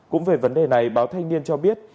cũng về vấn đề này báo thanh niên cho biết